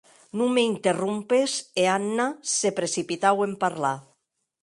Non m'interrompes, e Anna se precipitaue en parlar.